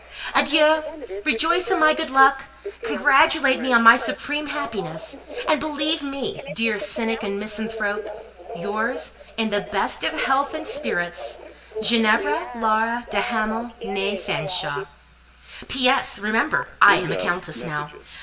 "Adieu! Rejoice in my good luck: congratulate me on my supreme happiness, and believe me, dear cynic and misanthrope, yours, in the best of health and spirits, GINEVRA LAURA DE HAMAL, née FANSHAWE. "P.S.—Remember, I am a countess now.